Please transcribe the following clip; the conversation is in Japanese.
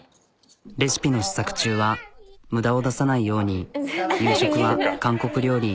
レシピの試作中は無駄を出さないように夕食は韓国料理。